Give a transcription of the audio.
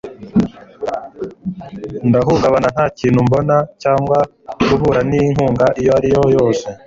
Ndahungabana nta kintu mbona cyangwa guhura ninkunga iyo ari yo yose